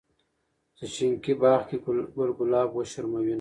چې شينکي باغ کې ګل ګلاب وشرمووينه